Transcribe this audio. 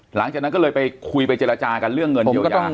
หลังจากนั้นก็เลยไปคุยไปเจรจากันเรื่องเงินเยียวยา